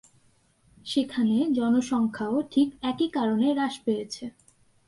সেখানে জনসংখ্যা-ও ঠিক একই কারণে হ্রাস পেয়েছে।